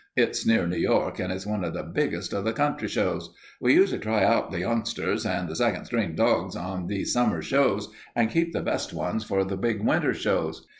It's near New York and it's one of the biggest of the country shows. We usually try out the youngsters and the second string dogs on these summer shows and keep the best ones for the big winter shows.